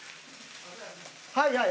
はいはい。